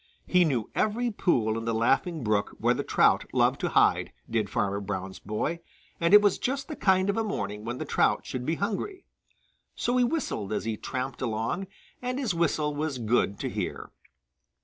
He knew every pool in the Laughing Brook where the trout love to hide, did Farmer Brown's boy, and it was just the kind of a morning when the trout should be hungry. So he whistled as he tramped along, and his whistle was good to hear.